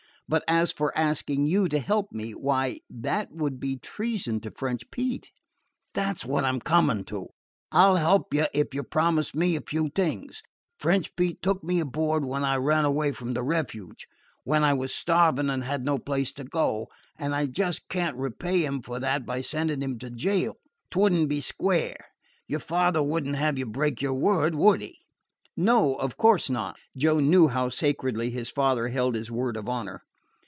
But as for asking you to help me why, that would be treason to French Pete." "That 's what I 'm coming to. I 'll help you if you promise me a few things. French Pete took me aboard when I ran away from the 'refuge,' when I was starving and had no place to go, and I just can't repay him for that by sending him to jail. 'T would n't be square. Your father would n't have you break your word, would he?" "No; of course not." Joe knew how sacredly his father held his word of honor.